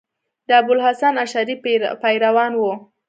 د ابو الحسن اشعري پیروان وو.